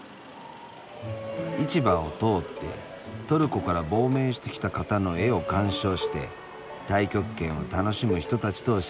市場を通ってトルコから亡命してきた方の絵を鑑賞して太極拳を楽しむ人たちとおしゃべり。